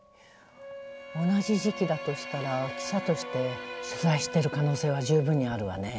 同じ時期だとしたら記者として取材してる可能性はじゅうぶんにあるわね。